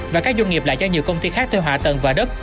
và các doanh nghiệp lại cho nhiều công ty khác thuê hạ tầng và đất